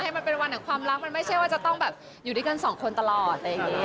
ให้มันเป็นวันแห่งความรักมันไม่ใช่ว่าจะต้องอยู่ด้วยกันสองคนตลอด